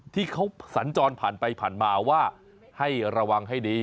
ที่เขาสัญจรผ่านไปผ่านมาว่าให้ระวังให้ดี